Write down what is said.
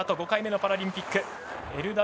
５回目のパラリンピック。